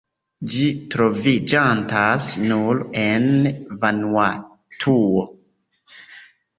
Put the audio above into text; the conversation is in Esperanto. Ĝi troviĝantas nur en Vanuatuo.